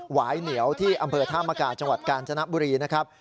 วายเหนียวที่อำเภอธามกาจังหวัดกาญจนบุรีนะครับ